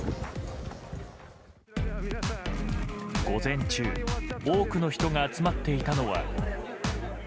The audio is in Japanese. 午前中多くの人が集まっていたのは。